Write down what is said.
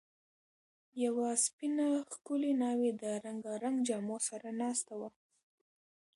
یوه سپینه، ښکلې ناوې د رنګارنګ جامو سره ناسته وه.